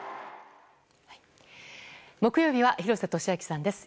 木曜日は廣瀬俊朗さんです。